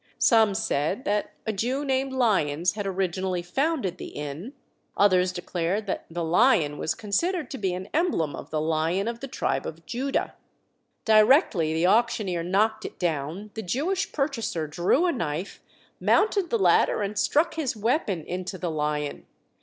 Some said that a Jew named Lyons had originally founded the inn; others declared that the lion was considered to be an emblem of the Lion of the tribe of Judah. Directly the auctioneer knocked it down the Jewish purchaser drew a knife, mounted the ladder, and struck his weapon into the lion.